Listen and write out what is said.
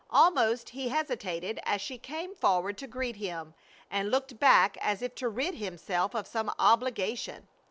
Almost he hesitated as she came forward to greet him, and looked back as if to rid himself of some obligation.